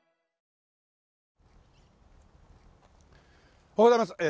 おはようございます。